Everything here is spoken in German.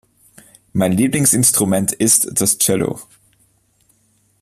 Mein Lieblingsinstrument ist das Cello.